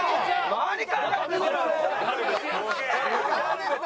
何考えてんだよ！